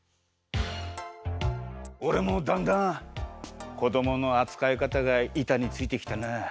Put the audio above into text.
おれもだんだんこどものあつかいかたがいたについてきたな。